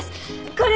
これ！